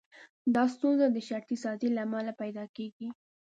دا ستونزه د شرطي سازي له امله پيدا کېږي.